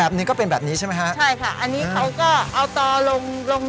อ๋อยอดมาเสียบเหมือนกัน